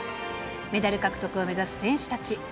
メダル獲得を目指す選手たち。